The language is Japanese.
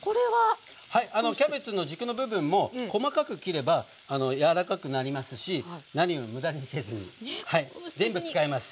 はいキャベツの軸の部分も細かく切れば柔らかくなりますし何より無駄にせずに全部使います。